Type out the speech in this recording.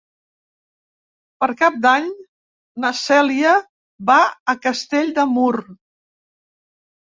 Per Cap d'Any na Cèlia va a Castell de Mur.